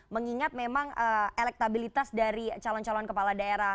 mengingat memang elektabilitas dari calon calon kepala daerah